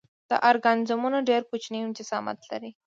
دا ارګانیزمونه ډېر کوچنی جسامت لري.